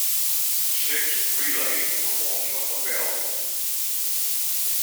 Six relays were also available.